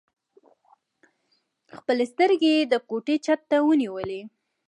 خپلې سترګې يې د کوټې چت ته ونيولې.